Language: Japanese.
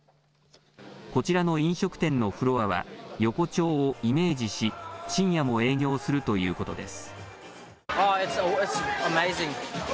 こちらの飲食店のフロアは横丁をイメージし深夜も営業するということです。